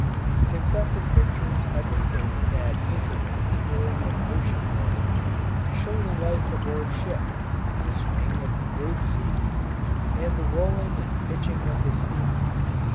Successive pictures have been taken at intervals during an ocean voyage to show the life aboard ship, the swing of the great seas, and the rolling and pitching of the steamer.